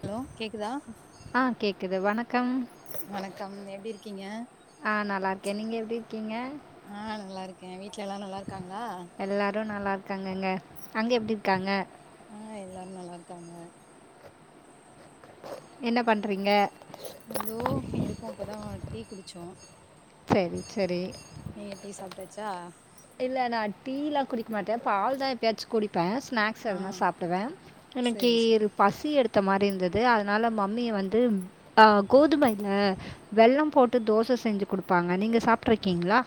Hello கேக்குதா ஆ கேக்குது வணக்கம் வணக்கம் எப்டி இருக்கீங்க ஆ நல்லாருக்கே நீங்க எப்டி இருக்கீங்க ஆ நல்லாருக்கே வீட்ல எல்லா நல்லாருக்காங்களா எல்லாரு நல்லாருக்காங்கங்க அங்கே எப்டிருக்காங்க ஆ எல்லாரு நல்லா இருக்காங்கங்க என்ன பண்றீங்க இதோ இருக்கு இப்பதா டீ குடிச்சோ சரி சரி நீங்க டீ சாப்ட்டாச்சா இல்ல நா டீல்லா குடிக்கமாட்டே பால் தா எப்பயாச்சு குடிப்பே ஸ்நாக்ஸ் ஆ எதுனா சாப்டுவே எனக்கி சரி சரி பசி எடுத்த மாரி இருந்துது அதனால மம்மிய வந்து அ கோதுமைல வெல்லம் போட்டு தோச செஞ்சு குடுப்பாங்க நீங்க சாப்ட்ருக்கீங்களா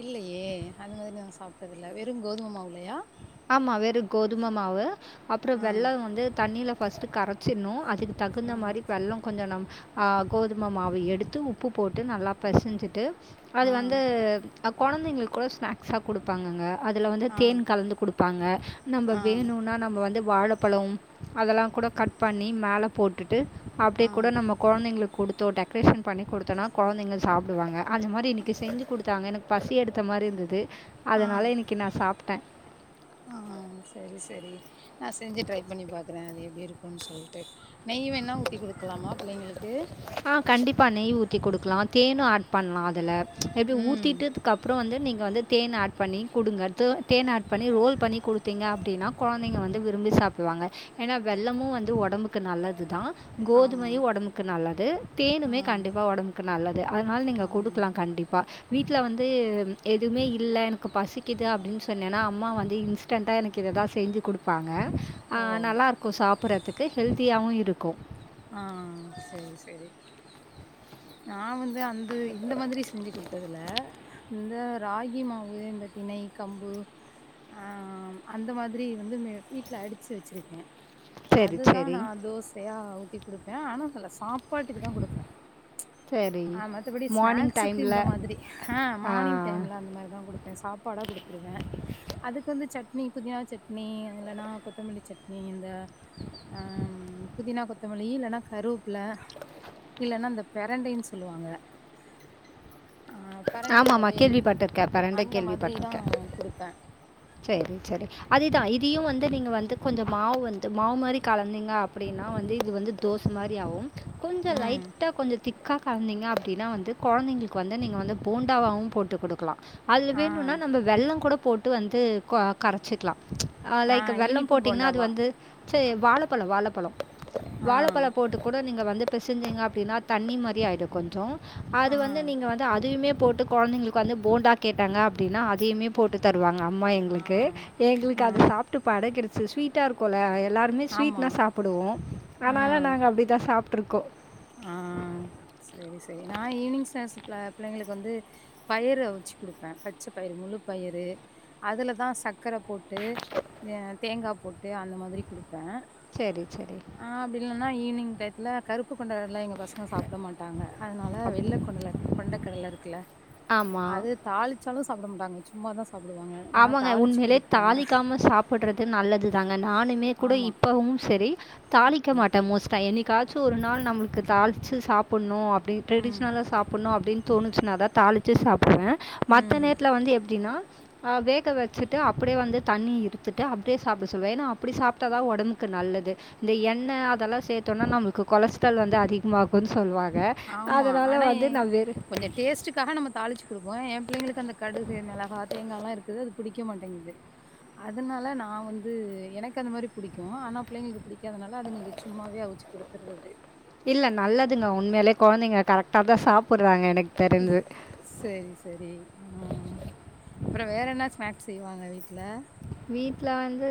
இல்லயே அந்த மாரி நாங்க சாப்ட்டதில்ல வெறு கோதும மாவுலயா ஆமா வேறு கோதும மாவு அப்றோ ஆ வெல்லம் வந்து தண்ணில ஃபர்ஸ்ட்டு கரைச்சிர்ணு அதுக் தகுந்த ஆ மாரி வெல்லம் கொஞ்சோ நம் அ கோதும மாவு எடுத்து உப்பு போட்டு நல்லா பிசஞ்சிட்டு அது ஆ வந்து கொழந்தைங்களுக்கு கூட ஸ்நாக்ஸா குடுப்பாங்கங்க அதுல வந்து ஆ தேன் கலந்து குடுப் பாங்க நம்ம ஆ வேணுனா நம்ம வந்து வாழப்பழம் அதெல்லா கூட கட் பண்ணி மேல போட்டுட்டு அப்டியே ஆ கூட நம்ம கொழந்தைங்களுக்கு குடுத்தோ டெக்ரேஷன் பண்ணி குடுத்தோனா கொழந்தைங்க சாப்டுவாங்க அந்த மாரி இன்னிக்கு செஞ்சு குடுத்தாங்க எனக்கு பசி எடுத்த மாரிருந்துது ஆ அதனால இன்னிக்கு நா சாப்ட்டே ஆ செரி செரி நா செஞ்சு ட்ரை பண்ணி பாக்றே அது எப்டி இருக்கும்னு சொல்ட்டு நெய் வேனா ஊத்தி குடுக்கலாமா பிள்ளைங்களுக்கு ஆ கண்டிப்பாக நெய் ஊத்தி குடுக்கலா தேனு ஆட் பண்ணலா அதுல எப்டி ம் ஊத்திட்டு கப்புறோ வந்து நீங்க வந்து தேன் ஆட் பண்ணி குடுங்க து தேன் ஆட் பண்ணி ரோல் பண்ணி குடுத்தீங்க அப்டின்னா கொழந்தைங்க வந்து விரும்பி சாப்டுவாங்க ஏனா வெல்லமு வந்து உடம்புக்கு நல்ல துதா ஆமா கோதுமயு உடம்புக்கு நல்லது ஆ தேனுமே கண்டிப்பா உடம்புக்கு கு நல்லது அதனால நீங்க ஆமா குடுக்கலா கண்டிப்பா வீட்ல் வந்து எதுவுமே இல்ல எனக்கு பசிக்குது அப்டின்னு சொன்னேனா அம்மா வந்து இன்ஸ் டன்டா எனக்கு இததா செஞ்சு குடுப்பாங்க அ ஓ நல்லா இருக்கு சாப்ட்றதுக்கு ஹெல்தியாவு இருக்கு ஆ சேரி சேரி நா வந்து அந்து இந்த மாரி செஞ்சு குடுத்ததில்ல இந்த ராகி மாவு இந்த திணை கம்பு ஆ அந்த மாதிரி வந்து வீட்ல அடிச்சு வச்சுருக்கே சரி அதுதா நா சரி தோசயா ஊத்தி குடுப்பே ஆனா சில சாப்பாட்டுக்கு தா குடுப்பே சரி. அ மத்தபடி மார்னிங் ஸ்நாக்ஸுக்கு டைம்ல. இந்த மாதிரி ஆ மார்னிங் டைம்ல அந்த மாதிரி தா குடுப்பே சாப் பாடா குடுத்துருவே அதுக்கு வந்து சட்னி புதினா சட்னி இல்லனா கொத்தமல்லி சட்னி இந்த ஆ ம் புதினா கொத்தமல்லி இல்லனா கருவேப்புல இல்லனா இந்த பெரண்டைன்னு சொல்லுவாங்க ஆ பெரண்டை ஆமாமா. துவையல் கேள்விப்பட்டுருக்கேன். பிரண்ட அந்த மாதிரி தா குடுப்பே சேரி சேரி அதுதா இதுயு வந்து நீங்க வந்து கொஞ்சோ மாவு வந்து மாவு மாரி கலந்தீங்க அப் அப்டின்னா வந்து இது வந்து தோச மாரி ஆகும் கொஞ்சோ ம் லைட்டா கொஞ்சோ திக்கா கலந்திங்க அப்டின்னா வந்து கொழந்தைங்களுக்கு வந்து நீங்க வந்து போண்டாவாவு போட்டு குடுக்கலா அதுல ஆ வேணும்னா நம்ம வெள்ளம் கூட போட்டு வந்து கோ கரச்சுக்கலா ஆ லைக் வெல்லம் இனிப்பு போட்டீங்கன்னா அது போண்டாவா வந்து சரி வாழைப்பழம் வாழைப்பழம் ஆ வாழைப்பழம் போட்டு கூட நீங்க வந்து பிசிஞ்சீங்க அப்டின்னா தண்ணி மாரி ஆயிடு கொஞ்ச அது ஆ வந்து நீங்க வந்து அதுமே போட்டு குழந்தைங்களுக்கு வந்து போண்டா கேட்டாங்க அப்டின்னா அதையுமே போட்டு தருவாங்க அம்மா ஆ எங்களுக்கு எங்களுக்கு ஆ அது சாப்பிட்டு பழகிருச்சி ஸ்வீட் ட்டா இருக்குல்ல எல்லாருமே ஆமா ஸ்வீட்னா சாப்டுவோம் அதனால ஆ நாங்க அப்படிதா சாப்ட்டுருக்கோ ஆ சரி சரி ந ஈவினிங் ஸ்நாக்ஸ் பிள்ளைங்களுக்கு வந்து பயிர அவுச்சு குடுப்பேன் பச்ச பயிறு முழு பயிறு அதுலதா சக்கர போட்டு தேங்காய் போட்டு அந்த மாரி கொடுப்பேன் சரி சரி அ அப்டி இல்லனா ஈவினிங் டயத்துல கருப்பு கொண்ட கடல எங்க பசங்க சாப்ட மாட்டாங்க அதனால அப் வெள்ள கொண்டல கொண்டக்கடல இருக்குல ஆமாம் அது தாளிச்சாலும் சாப்ட மாட்டாங்க சும்மா தா சாப்டுவாங்க நா ஆமாங்க தாளிச்சு உண்மலயே குடுப்பே தாலிக்காம சாப்பறது நல்லதுதாங்க நானுமே கூட ஆமா இப்பவும் சரி தாளிக்க மாட்டேன் மோஸ்ட்டா என்னைக்காச்சும் ஒரு நாள் நம்மளுக்கு தாளிச்சு சாப்பணும் அப்டி ம் ட்ரெஷனலா சாப்ணும் அப்பின்னு தோணுச்சனா தாளிச்சு சாப்டுவேன் ம் மத்த நேரத்துல வந்து எப்டின்னா வேக வச்சுட்டு அப்டியே வந்து தண்ணி இருத்துட்டு அப்டியே சாப்ட சொல்லுவேன் ஏன்னா அப்டி சாப்ட்டா தா ஒடம்புக்கு நல்லது இந்த எண்ண அதெல்லாம் சேத்தோம்னா நமக்கு கொலஸ்டால் வந்து அதிக உமாக்குன்னு சொல்லுவாங்க அதனால வந்து நா வேற டேஸ்டுக்காக நம்ம தாளிச்ச கொடுப்போ என் பிள்ளைங்களுக்கு அந்த கடுகு மெளகா தேங்கா எல்லாம் இருக்குது அது புடிக்க மாட்டேங்குது அதனால நா வந்து எனக்கு அந்த மாரி புடிக்கும் ஆனா பிள்ளைங்களுக்கு புடிக்காதனால அதுங்களுக்கு சும்மாவவே அவிச்சு கொடுத் றது இல்ல நல்லதுங்க உண்மைலயே ககொழந்தைங்க கரெக்டா தா சாப்பறாங்க எனக்கு ம் தெரிஞ்சு. சரி சரி அப்றம் வேற என்ன ஸ்நாக்ஸ் செய்வாங்க வீட்ல வீட்ல வந்து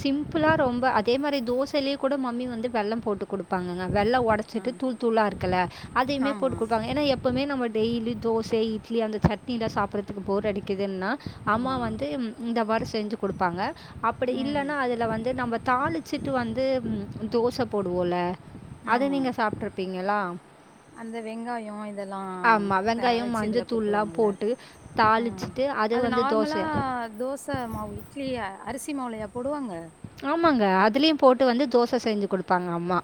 சிம்பிளா ரொம்ப அதே மாரி தோசலயே கூட மம்மி வந்து வெல்லம் போட்டு கொடுப்ப பாங்க வெல்ல ஆ. ஓடச்சிட்டு தூள் தூளா இருக்கல அதயுமே ஆமா, போட்டு கொடுப்பாங்க ஏ எப்ப எப்பமே நம்ம டெய்லி தோச இட்லி அந்த சட்னியிலா சாப்பறக்கு போர் அடிக்குதுன்னா அம்மா ஆமா. வந்து இந்த மாரி செஞ்சு கொடுப்பாங்க அப்டி ம். இல்லன்னா அதுல வந்து நம்ம தாலி வச்சுட்டு வந்து தோச போடுவோல அது ஆமா. நீங்க சாப்ட்ருப்பீங்களா அந்த வெங்காயம் இதெல்லாம் ஆமாம் வெங்காயம் காயவச்சு இதுல மஞ்சத்தூள்லாம் கொட்டுவாங்கல்ல போட்டு ஆ தாளிச்சிட்டு அது வந்து நார்மலா தோசை தோச மாவு இட்லி அரிசி மாவுலயா போடுவாங்க ஆமாங்க அதுலயும் போட்டு வந்து தோச செஞ்சு கொடுப்பாங்க அம்மா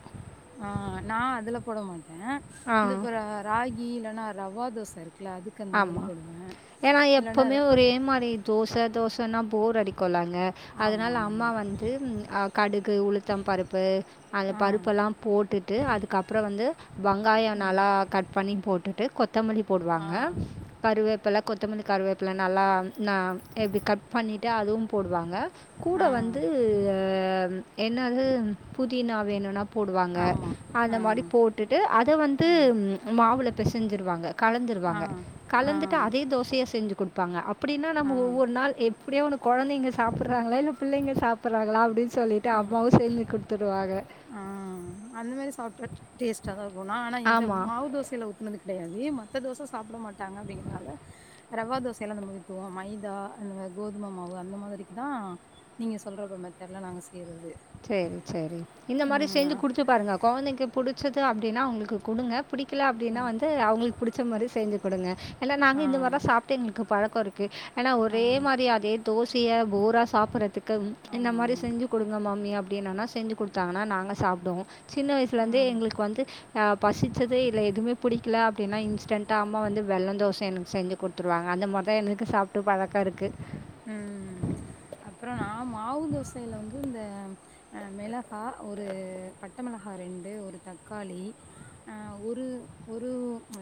ஆ நா அதுல போட மாட்டேன் ஆ. இந்தப்புறம் ராகி இல்ன்னா ரவா தோச இருக்குல அதுக்கு அந்த மாதிரி ஆமாம் போடுவே ஏன்னா இல்லன்னா எப்பமே ஒரே மாரி தோச தோசன்னா போர் அடிக்குல்லங்க ஆமா அதனால ஆமா அம்மா வந்து கடுகு உளுத்தம் பருப்பு அந்த ஆ பருப்பெல்லாம் போட்டுட்டு அதுக்கப்றம் வந்து வங்காயம் ம் நல்லா கட் பண்ணி போட்டுட்டு கொத்தமல்லி ஆ போடுவாங்க கருவேப்பல கொத்தமல்லி கருவேப்பல நல்லா ந எப்டி கட் பண்ணிட்டு அதுவும் போடுவாங்க கூட ஆ வந்து அ என்னது புதினா வேணுன்னா போடுவாங்க ஆமா அந்த ஆ மாரி போட்டுட்டு அத வந்து ஆ மாவுல பெசஞ்சுருவாங்க ஆ கலந்துருவாங்க கலந்துட்டு அதே தோசையா செஞ்சு குடுப்பாங்க அப்டின்னா ஆ நம்ம ஒவ்வொரு நாள் எப் அப்டியே ஒன்னு கொழந்தைங்க சாப்ட்றாங்களா இல்ல பிள்ளைங்க சாப்ட்றாங்களா அப்படின் சொல்லிட்டு ஆ ஆ அம்மாவு செஞ்சு குடு த்துருவாக ஆ அந்த மாரி சாப்ட்டா டேஸ்ட்டா தா இருக்கு நா ஆனா இந்த ஆமாம் மாவு தோசைல ஊத் னது கெடயாது மத்த தோச சாப்ட மாட்டாங்க அப்டிங்கனால ரவா தோசையெல்லா அந்த மாதி ஊத்துவோ மைதா அந்த மாதி கோதும மாவு அந்த மாதிரிக்குதா நீங்க சொல்ற மெ மெத்தர்ட்ல நாங்க செய்றது சரி சரி இந்த ஆ மாரி செஞ்சு குடுத்து பாருங்க கொழந்தைக்கு புடிச்சது அப்டின்னா அவங்களுக்கு குடுங்க பிடிக்கல ஆ அப்டின்னா வந்து அவங்களுக்கு பிடிச்ச மாரி செஞ்சு குடுங்க ஏனா நாங்க ஆ இந்த மாரிலா சாப்ட்டு எங்களுக்கு பழக்கோ இருக் கு ஏனா ஆ ஒரே மாரி அதே தோசைய போரா சாப்பிறதுக்கு இந்த ஆமா மாரி ஆமா செஞ்சு குடுங்க மம்மி அப்டின்னன்னா செஞ்சு குடுத்தாங்கன்னா நாங்க சாப்டுவோ சின்ன வயசுலருந்தே ஆ எங்களுக் வந்து அ பசிச்சதே இல்லை எதுமே பிடிக்கல அப்டின்னா இன்ஸ்டண்ட்டா அம்மா வந்து வெல்லந்தோசை எனக்கு செஞ்சு குடுத்துருவாங்க அந்த மாரி தா எனக்கு சாப்ட்டு பழக்கோ இருக்கு ம் ம் அப்புறோ நா மாவு தோசைல வந்து இந்த அ மிளகா ஒரு பட்டை மிளகா ரெண்டு ஒரு தக்காளி ஆ ஒரு ஒரு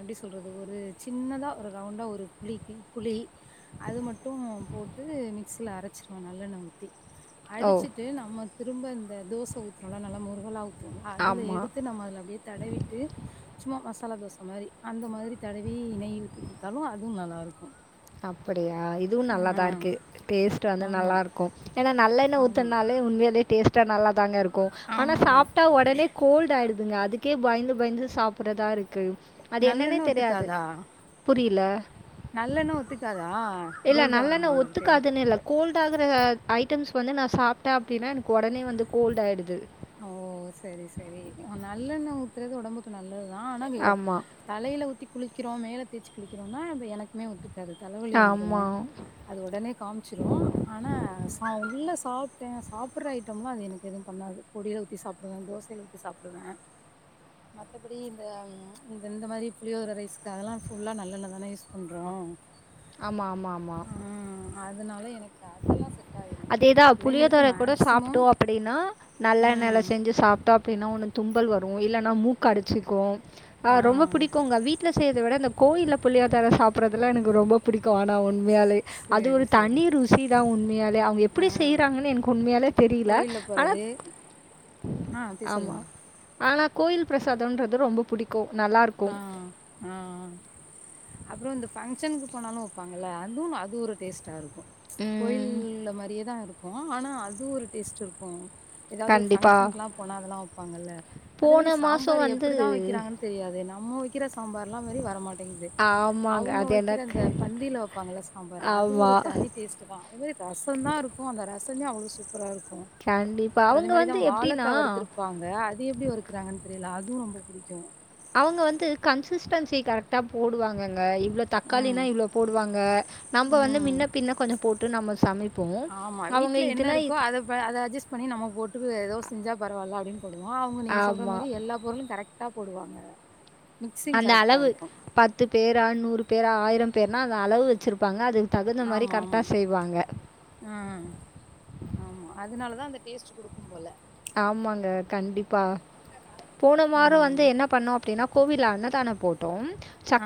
எப்டி சொல்றது ஒரு சின்னதா ஒரு ரவுண்டா ஒரு புளிகி புளி அது மட்டு போட்டு மிக்சியில அரச்சிருவே நல்லெண்ண ஊத்தி ஓ! அடிச்சிட்டு நம்ம திரும்ப இந்த தோச ஊத்துறோலா நல்லா முருகலா ஊத்துவோல அதுல ஆமா. எடுத்து நம்ம அதுல அப்டியே தடவிட்டு சும்மா மசாலா தோச மாரி அந்த மாதிரி தடவி நெய் ஊத்தி குடுத்தாலு அதுவு நல்லாருக்கு அப்படியா இதுவு நல்லாதா இருக்கு டேஸ்ட் வந்து ஆமா, நல்லா இருக்கு ஏனா நல்லெண்ண ஆமா. ஊத்துனாலே உண்மையிலே டேஸ்ட்டா நல்லா தாங்க இருக்கு ஆனா ஆமா சாப்ட்டா உடனே கோல்ட் ஆயிடுதுங்க அதுக்கே பயந்து பயந்து சாப்பிறதா இருக்கு அது என்னன்னே நல்லெண்ண தெரியாது ஒத்துக்காதா புரியல நல்லெண்ண ஒத்துக்காதா இல்ல கோல்டு நல்லெண்ண ஆகுமா உங்களுக்கு ஒத்துக்காதுன்னு இல்ல கோல்ட் ஆகுற ஐட்டம்ஸ் வந்து நா சாப்ட்டே அப்டின்னா எனக்கு உடனே வந்து கோல்ட் ஆயிடுது ஓ சரி சரி ஆ நல்லெண்ண ஊத்துறது உடம்புக்கு நல்லதுதா ஆனா இங்கய ஆமா. தலைல ஊத்தி குளிக்கிறோ மேல தேய்ச்சு குளிக்கிறோனா எனக்குமே ஒத்துக்காது தலவலி வந்துரு ஆமா. அது உடனே காமிச்சிரு ஆனா சா உள்ள சாப்ட்டே சாப்பிற ஐட்டம்லா அது எனக்கு எதுவு பண்ணாது பொடியில ஊத்தி சாப்டுவே தோசைல ஊத்தி சாப்டுவே மத்தபடி இந்த இந்த மாரி புளியோதிர ரைஸ்க்கு அதெல்லா ஃபுல்லா நல்லெண்ண தானே யூஸ் பண்றோ ஆமா ஆமா ஆமா ம் அதனால எனக்கு அதெல்லா செட் ஆயிரு அதேதா பிள்ளைங்களுக்கு புளியோதர கூட மேக்சிமம் சாப்ட்டோ அப்டின்னா நல்லெண்ணெல ம் செஞ்சு சாப்ட்டா அப்பினா ஒன்னு தும்பல் வரு இல்லன்னா மூக்கு அடச்சிக்கு அ ஆ ரொம்ப பிடிக்குங்க வீ வீட்ல செய்றத விட இந்த கோயில்ல புளியோதர சாப் ப்றதுல எனக்கு ரொம்ப பிடிக்கு ஆனா உண்மையாலே அது ஒரு சேரி தனி சேரி ரு சிதா உண்மையாலே அவங்க ஆ எப்டி செய்கிறாங்கன்னு எனக்கு உண்மையாலே தெரியல கோயில்ல ஆனா போறது ஆ அப்டி சொல்லுங்க ஆனா கோயில் பிரசாதோன்றது ரொம்ப பிடிக்கு நல்லா இருக் ஆ ஆஆ அப்றோ இந்த ஃபங்க்ஷனுக்கு போனாலு வப்பாங்கல அதுவு அது ஒரு டேஸ்ட்டா இருக்கு கோயில் ம், உள்ள மாரியேதா இருக்கு ஆனா அது ஒரு டேஸ்ட் இருக்கு எதாவ்து ஒரு கண்டிப்பாக பங்க்ஷனுக்குலா போனா அதெல்லா வப்பாங்கல்ல அதே மாரி போன மாதம் சாம்பாரு வந்து எப்புடிதா வக்கிறாங்கன் தெரியாது நம்ம வக்கிற சாம்பார்லா மாரி வரமாட்டேங்குது ஆமாங்க அவ்ங்க அது வைக்கிற எனக்கு அந்த பந்தில வைப்பாங்கள சாம்பாரு அது ஒரு ஆமாம் தனி டேஸ்ட்டு தா அதே மாதிரி ரசந்தா இருக்கு அந்த ரசமே அவுளோ சூப்பரா இருக்கு கண்டிப்பா. அப்புறோ அதே அவங்க மாரிதா வந்து எப்படின்னா, வாழக்கா வருத்திருப் பாங்க அது எப்டி வருக்குறாங்கன் தெரில அதுவு ரொம்ப புடிக்கு அவுங்க வந்து கன்சிஸ்டன்சி கரெக்ட்டா போடுவாங்கங்க இவ்ளோ தக்காளினா ம் இவுளோ போடுவாங்க நம்ப வந்து ம் மின்ன பின்ன கொஞ்சோ போட்டு நம்ம சமைப்போ ஆமா. அவுங்க வீட்ல என்ன இதுனா இருக்கோ இது அத ப அத அஜெஸ் பண்ணி நம்ம போட்டு பு எதோ செஞ்சா பரவால்ல அப்டின் போடுவோ அவ்ங்க நீங்க சொல்ற ஆமா. மாரி எல்லா பொருளு கரெக்ட் டா போடுவாங்க மிக்சிங் கரெக்ட்டா இருக்கு த்து பேரா நூறு பேரா ஆயிரோ பேர்னா அந்த அளவு வச்சிருப்பாங்க அதுக்கு தகுந்த மாரி ஆமா, கர்ட்டா ஆமா. செய்வாங்க ஆ ஆமா அதுனாலதா அந்த டேஸ்ட்டு குடுக்கும் போல ஆமாங்க கண்டிப்பா போன வாரோ வந்து ம். என்ன பண்ணோ அப்டினா கோவில அன்னதானோ போட்டோம்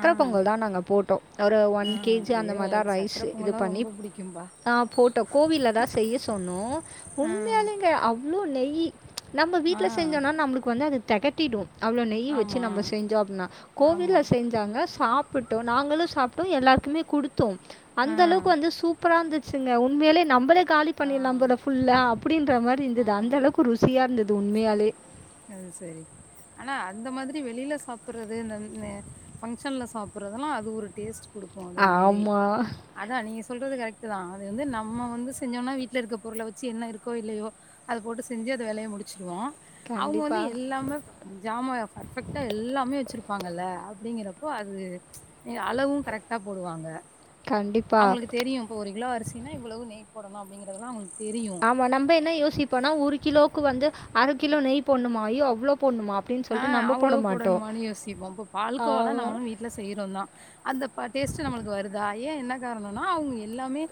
ஆ. பொங்கல்தா நாங்க போட்டோ ஒரு ஆ. ஒன் கே ஜி அந்த ஐயோ! மார்தா எனக்கு சக்கர ரைஸு இது பொங்கல்லாம் பண்ணி ரொம்ப புடிக்கும்பா. தா போட்டோ கோவில்லதா செய்ய சொன்னோ ஆ. உண்மியாலேங்க அவ் ளோ நெய்யி நம்ம ஆ. வீட்ல செஞ்சோனா நம்ளுக்கு வந்து அது தெகட்டிடு அவ்ளோ நெய் வச்சு ஆமா. நம்ம செஞ்சோ அப்டினா கோவில்ல ஆமா. செஞ்சாங்க சாப் புட்டோ நாங்களு சாப்ட்டோ எல்லார்க்குமே குடுத்தோ ஆ. அந்தளவுக்கு வந்து சூப்பரா இந்து ச்சுங்க உண்மேலே நம்பளே காலி ஆ. பண்ணிர்லாம் போல ஃபுல்லா அப்புடின்ற மாரி இருந்துது அந்தளவுக்கு ருசியா இந்தது உண்மையாலே ம் சரி ஆனா அந்த மாதிரி வெளில சாப்புறது இந்தன்னே ஃபங்க்ஷன்ல சாப்புறதுலா அது ஒரு டேஸ்ட்டு குடுக்கு அது உண்மேலே ஆமா. அதா நீங்க சொல்றது கரெக்ட்டுதா அது வந்து நம்ம வந்துஸ் செஞ்சோம்னா வீட்ல இருக்க பொருள வச்சு என்ன இருக்கோ இல்லயோ அத போட்டு செஞ்சு அது வேலய முடிச்சிருவோ அவ்ங்க கண்டிப்பா, வந்து எல்லாமே ஜாமால பர்ஃபெக்ட்டா எல்லாமே வச்சிருப்பாங்கல்ல அப்டிங்கிறப்போ அது நீங்க அளவு கரெக்ட்டா போடுவாங்க கண்டிப்பா. அவுங்குளுக்கு தெரியு இப்போ ஒரு கிலோ அரிசினா இவுளவு நெய் போடணு அப்டிங்கிறதுலா அவுங்குளுக்கு தெரியு மா நம்ப என்ன யோசிப்போனா ஒரு கிலோக்கு வந்து அர கிலோ நெய் போட்ணுமா ஐயோ அவ்ளோ போட்ணுமா ஆ அவுளவு போடணுமானு யோசிப்போ இப்போ பால்க்கோவாலா ஆமா. நம்மளு வீட் ல செய்றோந்தா அந்த பா டேஸ்ட்டு நம்மளுக்கு வருதா ஏன் என்ன காருணோனா அவ்ங்கு எல்லாமே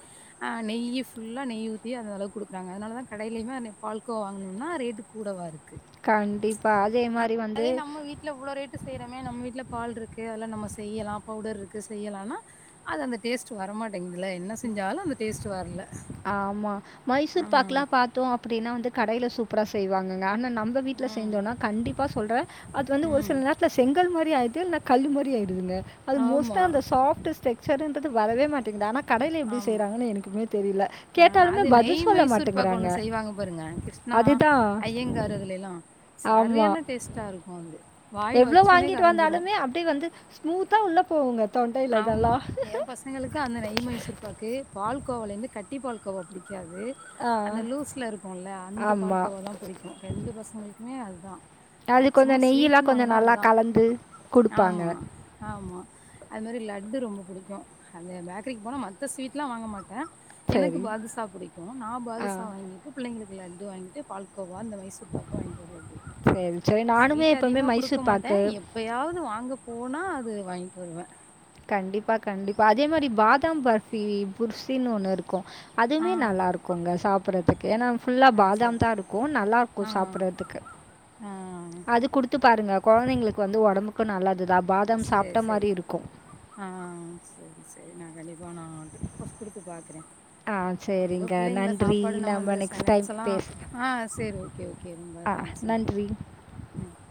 ஆ நெய்யு ஃபுல்லா நெய்யு ஊத்தி அந்த அளவுக்கு குடுக்குறாங்க அதுனாலதா கடைலயுமே அன்னைக் பால்கோவா வாங்குணம்னா ரேட்டு கூட வரு கண்டிப்பா அதே மா அதே நம்மள் வீட்ல இவ்ளோ ரேட்டு செய்றோமே நம் வீட்ல பால்ட்ருக்கு அதுல நம்ம செய்யலா பவ்டர்ருக்கு செய்யலானா அது அந்த டேஸ்ட்டு வரமாட்டேங்குதுல என்ன செஞ்சாலு அந்த டேஸ்ட்டு வர்ல ஆமா மைசூர் பாக்குலா பாத்தோ அப்டினா வந்து கடைல சூப்புரா செய்வாங்கங்க ஆனா நம் ம வீட்ல ம். செஞ்சோனா கண்டிப்பா சொல்ற அது வந்து ஒரு ம். சில் நேர் த்ல செங்கல் மாரி ஆய்ர்து இல்னா கல்லு மாரி ஆய்டுதுங்க அது மோஸ்ட்டா ஆமா. அந்த சாஃப்டஸ் டெக்ஸ்சருன்றது வரவே மாட்டேங்குது ஆனா கடைல எப்டி ஆமா. செய்றாங்கனு எனக்குமே தெரில ஆ அது நெய் மைசூரு பாக்கொன்னு செய்வாங்க பாருங்க கிரிஷ்ணா அதுதான். ஐயங்காரு அதுலேலா ஆமா. சரியான டேஸ்ட்டா இருக்கு அது வாயில எவ்ளோ வச்சோனே வாங்கிட்டு கரைஞ்சிரு வந்தாலுமே அப்டியே வந்து ஸ்மூத்தா உள்ள போகுங்க தொண்டையில இதெல்லா எங்களுக்கு அந்த நெய் மைசூர்பாக்கு பால் கோவாலேந்து கட்டி பால் கோவா பிடிக்காது ஆ. அந்த லூஸ்ல இருக்குல அந்த பால் ஆமா. கோவாதா புடிக்கு ரெண்டு பசங்களுக்குமே அதுதா அது மேக்சிமோ கொஞ்சம் நெய்யெலாம் ஸ்வீட்ன்னு கொஞ்சம் வாங்குனா நல்லா அதுதா கலந்து கொடுப்பாங்க ஆமா ஆமா அது மாரி லட்டு ரொம்ப புடிக்கு அந்த பேக்கரிக்கு போனா மத்த ஸ்வீட்லா வாங்க மாட்டே எனக்கு சரி பாதுசா புடிக்கு நா ஆ பாதுசா வாங்கிட்டு பிள்ளேங்களுக்கு லட்டு வாங்கிட்டு பால்கோவா அந்த மைசூர் பாக்கு வாங்கிட்டு வர்ரது சரி சரி நானுமே ஸ்வீட் எப்போவுமே அதிகமா குடுக்க மைசூர் மாட்டே பாக்கு எப் எப்பயாது வாங்க போனா அது வாங்கிட்டு வருவே கண்டிப்பா கண்டிப்பா அதே மாரி பாதாம் பர்ஃபி புர்சினு ஒண்ணு இருக்கு ஆ அதுமே நல்லாருக்குங்க சாப்பிட்றதுக்கு ஏன்னா ஃபுல்லா அது சரி பாதாம் தா இருக்கு நல்லாயிருக்கு ஆ சாப்பிட்றதுக்கு ஆ அது குடுத்து பாருங்க கொழந்தைங்களுக்கு வந்து ஒடம்புக்கு நல்லதுதா பாதம் சேரி சாப்ட்ட சேரி மாரி இருக்கு ஆ செரி செரி நா கண்டிப்பா நா ரெக்குவஸ்ட் குடுத்து பாக்குறே ஆ ஏதோ சரிங்க பிள்ளைங்கள நன்றி சாப்பாடு நம்ம அந்த நெக்ஸ்ட் டைம் ஸ்னாக்ஸ் எல்லா பேசுகிறேன் ஆ செரி ஓகே ஓ ஓகே ரொம்ப ஆ தேங்க்ஸ்ங்க நன்றி நன்